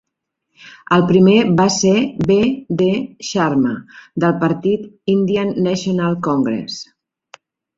El primer va ser B. D. Sharma, del partit Indian National Congress.